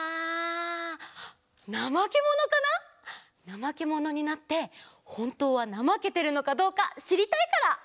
ナマケモノになってほんとうはなまけてるのかどうかしりたいから！